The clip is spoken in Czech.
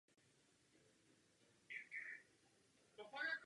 Byl synem obecního tajemníka.